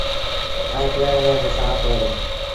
ائيٚݩ پيٚئڻ ميݩ با سآڦ هوئي دو۔